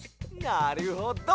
なるほど！